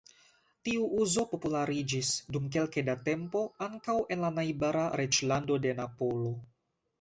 Tiu uzo populariĝis, dum kelke da tempo, ankaŭ en la najbara "Reĝlando de Napolo".